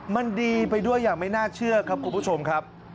มันดีไปด้วยอย่างไม่น่าเชื่อครับคุณผู้ชมครับ